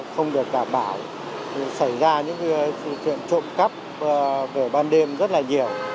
không được đảm bảo xảy ra những chuyện trộm cắp về ban đêm rất là nhiều